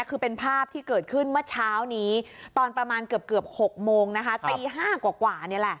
คือเป็นภาพที่เกิดขึ้นเมื่อเช้านี้ตอนประมาณเกือบ๖โมงนะคะตี๕กว่านี่แหละ